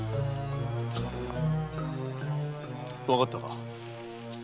わかったか？